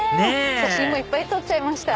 写真いっぱい撮っちゃいました。